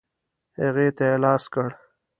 هغې ته یې لاس کړ.